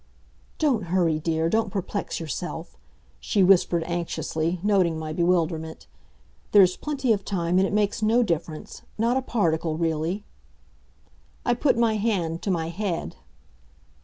"Don't hurry, dear, don't perplex yourself," she whispered anxiously, noting my bewilderment. "There's plenty of time, and it makes no difference not a particle, really." I put my hand to my head.